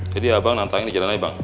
jadi abang nantangin di jalanan bang